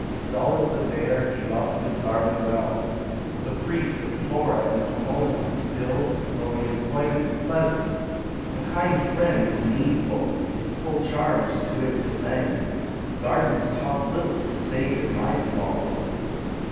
] Dull as the Bear, he loved his garden well; Was priest of Flora and Pomona; still, Though the employment's pleasant, a kind friend Is needful, its full charms to it to lend: Gardens talk little, save in my small book.